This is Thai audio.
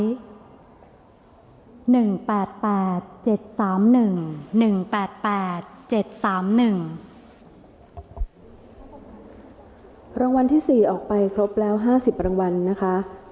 รางวัลที่๑๘๘ครบแล้ว๕๐รางวัลนะคะ